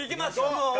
もう。